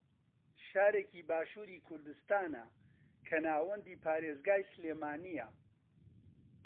شارێکی باشووری کوردستانە کە ناوەندی پارێزگای سلێمانییە